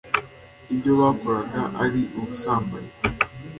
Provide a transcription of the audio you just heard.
ibyo bakoraga ari ubusambanyi